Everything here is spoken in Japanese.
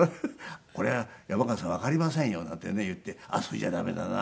「これは山川さんわかりませんよ」なんてね言ってそれじゃ駄目だな